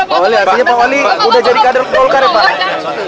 artinya pak wali udah jadi kader golkar ya pak